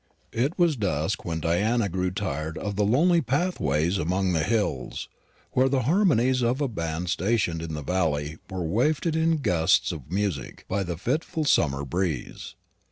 It was dusk when Diana grew tired of the lonely pathways among the hills, where the harmonies of a band stationed in the valley were wafted in gusts of music by the fitful summer breeze.